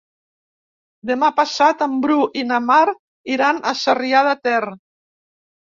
Demà passat en Bru i na Mar iran a Sarrià de Ter.